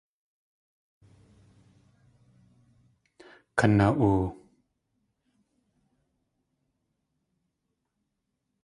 Kana.oo!